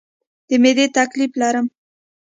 د معدې تکلیف لرم